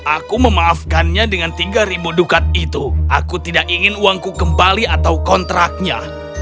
aku memaafkannya dengan tiga ribu dukat itu aku tidak ingin uangku kembali atau kontraknya